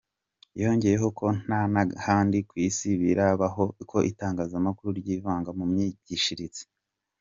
Yongeyeho ko nta n’ahandi ku isi birabaho ko Itangazamakuru ryivanga mu myigishirize.